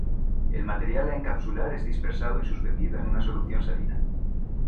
El material a encapsular es dispersado y suspendido en una solución salina.